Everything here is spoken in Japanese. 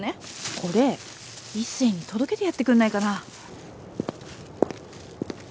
これ一星に届けてやってくれないかな？